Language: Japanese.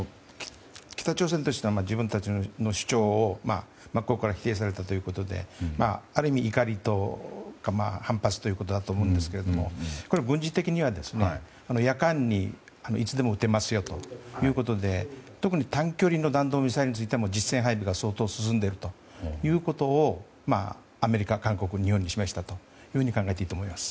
北朝鮮としては自分たちの主張を真っ向から否定されたということである意味怒りとか反発ということだと思うんですがこれ、軍事的には夜間にいつでも撃てますよということで特に短距離の弾道ミサイルについては実戦配備が相当進んでいることをアメリカ、韓国、日本に示したと考えていいと思います。